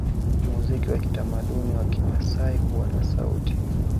Muziki wa kitamaduni wa Kimasai huwa na sauti